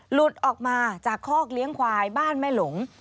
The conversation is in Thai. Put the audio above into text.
หลุดออกมาจากคอกเลี้ยงควายบ้านแม่หลง